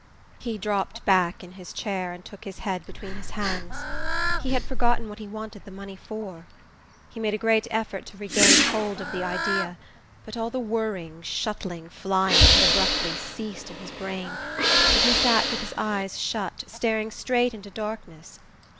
He dropped back in his chair and took his head between his hands. He had forgotten what he wanted the money for. He made a great effort to regain hold of the idea, but all the whirring, shuttling, flying had abruptly ceased in his brain, and he sat with his eyes shut, staring straight into darkness....